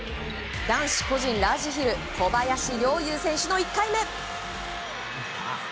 男子個人ラージヒル小林陵侑選手の１回目。